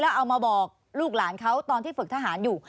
เอามาบอกลูกหลานเขาตอนที่ฝึกทหารอยู่